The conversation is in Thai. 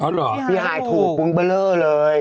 อ๋อเหรอพี่มันถูกพูนเบอร์เลอร์เลย